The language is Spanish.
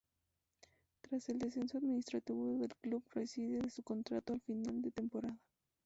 Tras el descenso administrativo del club, rescinde de su contrato al final de temporada.